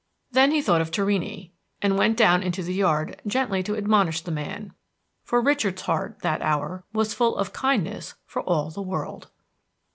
Then he thought of Torrini, and went down into the yard gently to admonish the man, for Richard's heart that hour was full of kindness for all the world.